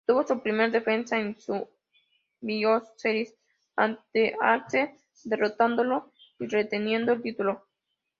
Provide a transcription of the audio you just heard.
Tuvo su primera defensa en Survivor Series ante Axel, derrotándolo y reteniendo el título.